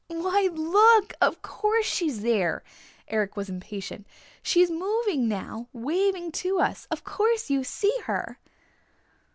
"Why, look! Of course she's there!" Eric was impatient. "She's moving now, waving to us. Of course you see her!"